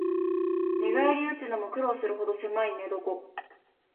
寝返りうつのも苦労するほどせまい寝床